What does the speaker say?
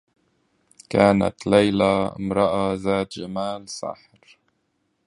كانت ليلى امرأة ذات جمال ساحر.